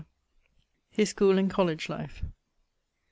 <_His school and college life.